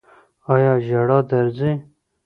ایا ژړا درځي؟